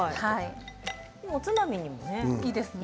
おつまみにもいいですよね。